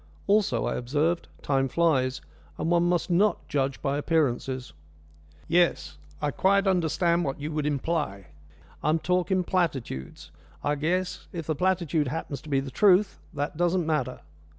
"Also," I observed, "time flies, and one must not judge by appearances." "Yes, I quite understand what you would imply. I am talking platitudes. I guess, if the platitude happens to be the truth that doesn't matter.